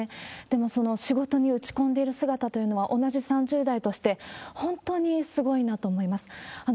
でも、その仕事に打ち込んでいる姿というのは、同じ３０代として本当にすごいなと思います。